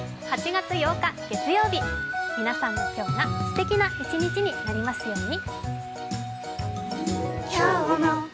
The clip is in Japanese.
８月８日月曜日、皆さんの今日がすてきな一日になりますように。